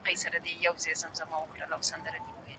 قرآن کريم ته په ځير سره نظر وکړئ.